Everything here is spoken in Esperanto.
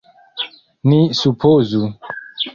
Ni supozu!